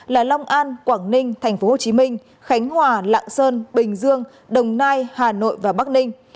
là long an quảng ninh thành phố hồ chí minh khánh hòa lạng sơn bình dương đồng nai hà nội và bắc ninh